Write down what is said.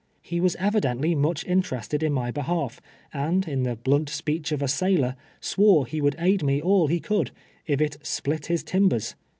He ■was evidently much interested in my behalf, and, in the blunt speech of a sailor, swore he would aid me all he could, if it " split his timbers."